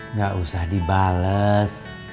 nggak usah dibales